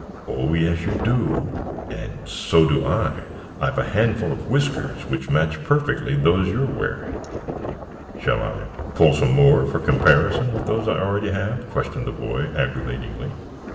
"Oh, yes you do and so do I! I've a handful of whiskers which match perfectly those you are wearing. Shall I pull some more for comparison with those I already have?" questioned the boy aggravatingly.